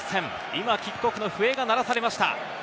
今キックオフの笛が鳴らされました。